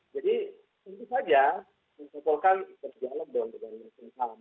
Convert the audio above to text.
jadi itu saja mencukupkan berdialog dengan pemerintah